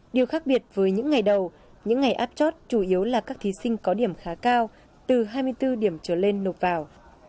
điều khác biệt với những ngày đầu những ngày áp chót chủ yếu là các thí sinh có điểm khá cao từ hai mươi bốn điểm trở lên nộp vào